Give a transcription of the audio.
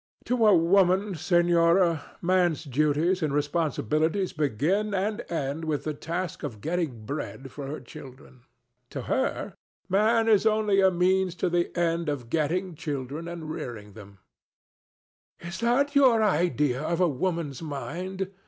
To a woman, Senora, man's duties and responsibilities begin and end with the task of getting bread for her children. To her, Man is only a means to the end of getting children and rearing them. ANA. Is that your idea of a woman's mind?